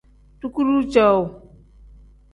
Dukuru cowuu.